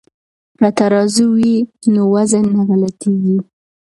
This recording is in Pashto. که ترازوی وي نو وزن نه غلطیږي.